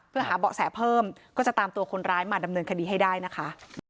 เพื่อหาเบาะแสเพิ่มก็จะตามตัวคนร้ายมาดำเนินคดีให้ได้นะคะ